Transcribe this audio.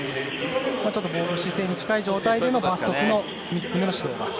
ちょっと防御姿勢に近い状態での反則の３つ目の指導が。